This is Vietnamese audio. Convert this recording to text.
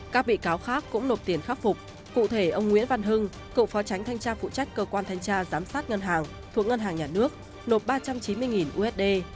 các bị cáo khác cũng nộp tiền khắc phục cụ thể ông nguyễn văn hưng cựu phó tránh thanh tra phụ trách cơ quan thanh tra giám sát ngân hàng thuộc ngân hàng nhà nước nộp ba trăm chín mươi usd